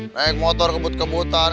naik motor kebut kebutan